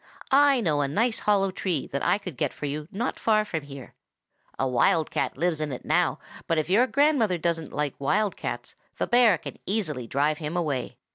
I know a nice hollow tree that I could get for you not far from here. A wild cat lives in it now, but if your grandmother doesn't like wild cats, the bear can easily drive him away.